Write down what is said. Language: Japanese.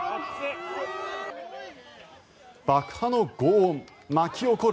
爆破のごう音、巻き起こる